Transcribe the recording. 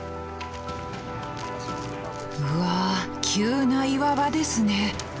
うわ急な岩場ですね。